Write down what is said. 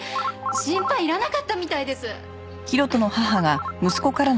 心配いらなかったみたいです。